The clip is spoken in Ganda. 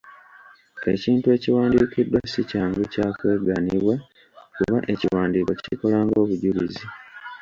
Ekintu ekiwandiikiddwa si kyangu kya kwegaanibwa, kuba ekiwandiiko kikola ng'obujulizi.